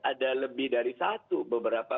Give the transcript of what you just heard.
ada lebih dari satu beberapa